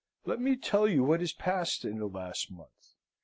Let me tell you what has passed in the last month!"